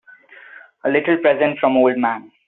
A little present from old man.